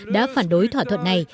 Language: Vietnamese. đã phản đối thỏa thuận này